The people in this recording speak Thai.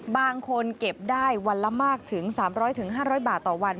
บางคนเก็บได้วันละมากถึง๓๐๐๕๐๐บาทต่อวัน